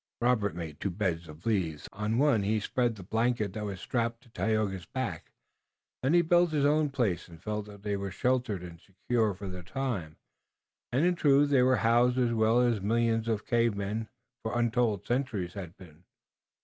Robert made two beds of leaves. On one he spread the blanket that was strapped to Tayoga's back. Then he built his own place and felt that they were sheltered and secure for the time, and in truth they were housed as well as millions of cave men for untold centuries had been.